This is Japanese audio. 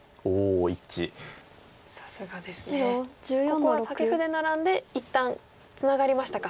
ここはタケフでナラんで一旦ツナがりましたか。